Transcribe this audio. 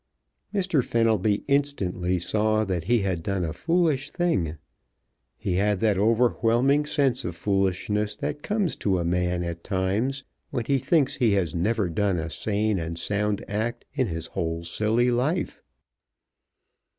Mr. Fenelby instantly saw that he had done a foolish thing. He had that overwhelming sense of foolishness that comes to a man at times, when he thinks he has never done a sane and sound act in his whole silly life.